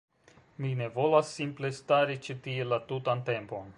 Mi ne volas simple stari ĉi tie la tutan tempon.